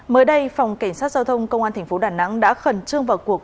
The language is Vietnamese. mới đây phòng cảnh sát giao thông công an tp đà nẵng đã khẩn trương vào cuộc